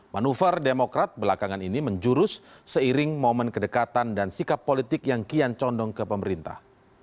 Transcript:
manuver demokrat belakangan ini menjurus seiring momen kedekatan dan sikap politik yang kian condong ke pemerintah